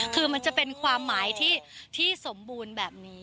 คือมันจะเป็นความหมายที่สมบูรณ์แบบนี้